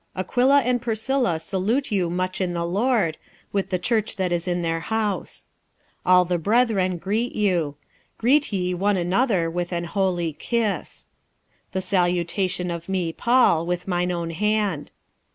Aquila and Priscilla salute you much in the Lord, with the church that is in their house. 46:016:020 All the brethren greet you. Greet ye one another with an holy kiss. 46:016:021 The salutation of me Paul with mine own hand.